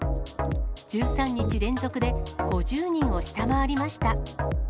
１３日連続で５０人を下回りました。